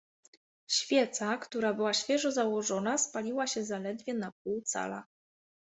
"Świeca, która była świeżo założona, spaliła się zaledwie na pół cala."